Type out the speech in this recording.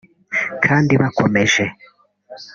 kandi bakomeje